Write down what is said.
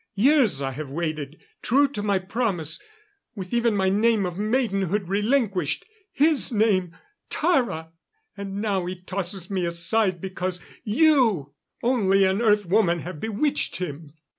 Years I have waited, true to my promise with even my name of maidenhood relinquished. His name Tara! And now he tosses me aside because you, only an Earth woman, have bewitched him."